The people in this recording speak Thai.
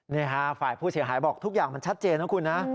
นี่ฮะฝ่ายผู้เสียหายบอกทุกอย่างมันชัดเจนนะคุณนะ